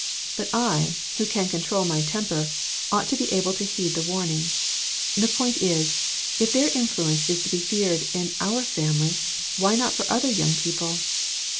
But I, who can control my temper, ought to be able to heed the warning. The point is, if their influence is to be feared in our family, why not for other young people